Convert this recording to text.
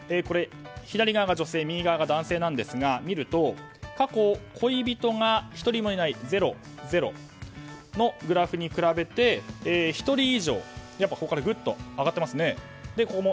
左側が女性、右側が男性ですが見ると、過去恋人が１人もいないゼロ、ゼロのグラフに比べて１人以上、ぐっと上がってますね。